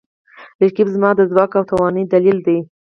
رقیب زما د ځواک او توانایي دلیل دی